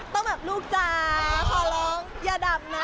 ต้องแบบลูกจ๋าขอร้องอย่าดับนะ